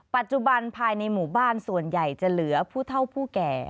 ปัจจุบันภายในหมู่บ้านส่วนใหญ่จะเหลือผู้เท่าผู้แก่